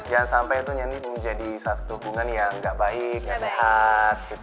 jangan sampai itu nyanyi menjadi satu dukungan yang gak baik yang sehat gitu